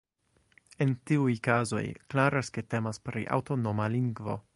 En tiuj kazoj klaras, ke temas pri aŭtonoma lingvo.